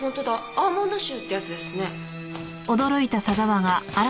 アーモンド臭ってやつですね。